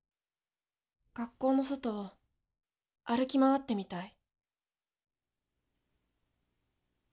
学校の外を歩き回ってみたい。